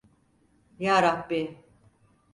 Yarabbi…